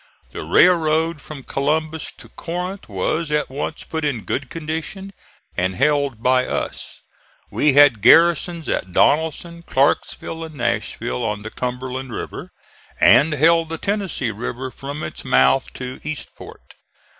The railroad from Columbus to Corinth was at once put in good condition and held by us. We had garrisons at Donelson, Clarksville and Nashville, on the Cumberland River, and held the Tennessee River from its mouth to Eastport.